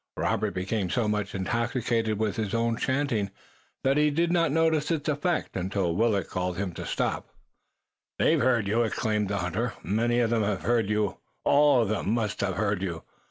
Robert became so much intoxicated with his own chanting that he did not notice its effect, until Willet called upon him to stop. "They've heard you!" exclaimed the hunter. "Many of them have heard you! All of them must have heard you!